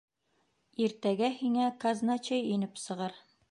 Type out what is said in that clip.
Иртәгә һиңә казначей инеп сығыр.